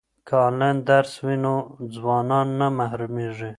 که انلاین درس وي نو ځوانان نه محرومیږي.